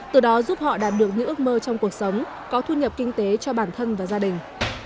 từ đó giúp họ đạt được những ước mơ trong cuộc sống có thu nhập kinh tế cho bản thân và gia đình